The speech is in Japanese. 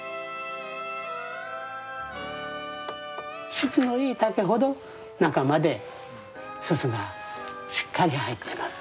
質のいい竹ほど中まで煤がしっかり入ってます。